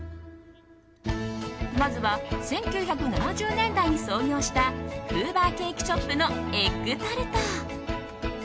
まずは１９７０年代に創業したフーバーケーキショップのエッグタルト。